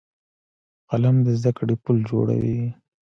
قلم د زده کړې پل جوړوي